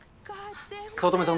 早乙女さん